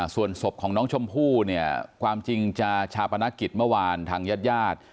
ส่วนศพของน้องชมพู่เนี่ยความจริงจะชาปนกิจเมื่อวานทางญาติญาติ